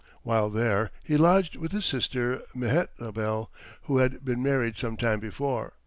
While there he lodged with his sister Mehetabel, who had been married some time before.